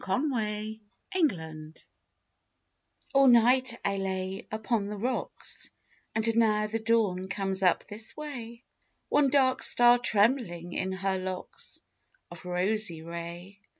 THE VALE OF TEMPE All night I lay upon the rocks: And now the dawn comes up this way, One great star trembling in her locks Of rosy ray.